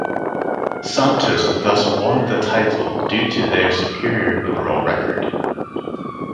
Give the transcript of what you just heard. Santos thus won the title due to their superior overall record.